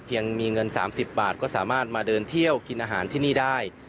ยังมีเงิน๓๐บาทก็สามารถมาเดินเที่ยวกินอาหารที่นี่ได้